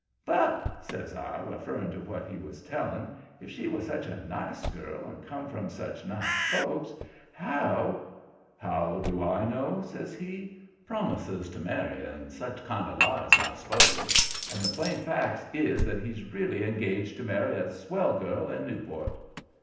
"'But,' says I, referring to what he was telling, 'if she was such a nice girl and come from such nice folks, how ' "'How do I know?' says he. 'Promises to marry and such kind of lies, I s'pose. And the plain fact is that he's really engaged to marry a swell girl in Newport.'